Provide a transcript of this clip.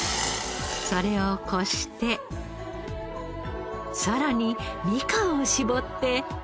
それをこしてさらにみかんを搾って。